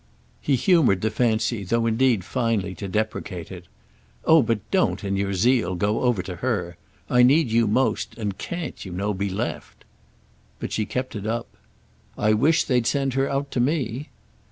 He humoured the fancy, though indeed finally to deprecate it. "Oh but don't, in your zeal, go over to her! I need you most and can't, you know, be left." But she kept it up. "I wish they'd send her out to me!"